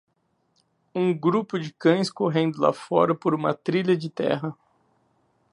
um grupo de cães correndo lá fora por uma trilha de terra.